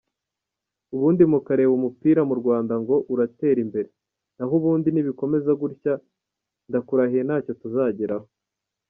ubundi mukareba umupira mu Rwanda ngo uratera imbere, nahubundi nibikomeza gutya, ndakurahiye ntacyo tuzageraho.